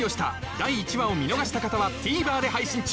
第１話を見逃した方はＴＶｅｒで配信中！